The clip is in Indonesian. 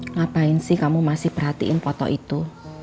ngapain sih kamu masih perhatiin foto itu